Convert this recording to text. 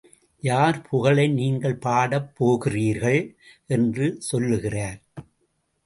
யார் புகழை நீங்கள் பாடப் போகிறீர்கள்? என்று சொல்லுகிறார்.